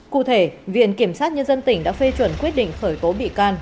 cụ thể viện kiểm sát nhân dân tỉnh đã phê chuẩn quyết định khởi tố bị can